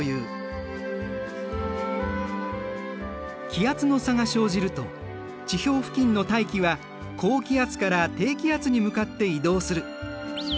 気圧の差が生じると地表付近の大気は高気圧から低気圧に向かって移動する。